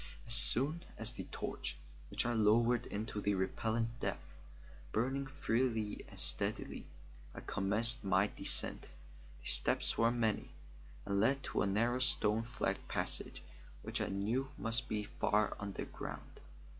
As soon as the torch, which I lowered into the repellent depths, burned freely and steadily, I commenced my descent. The steps were many, and led to a narrow stone flagged passage which I knew must be far underground.